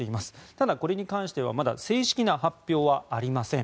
ただ、これに関してはまだ正式な発表はありません。